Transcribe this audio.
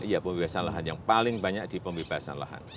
ya pembebasan lahan yang paling banyak di pembebasan lahan